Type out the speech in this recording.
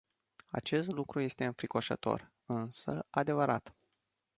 Acest lucru este înfricoșător, însă adevărat.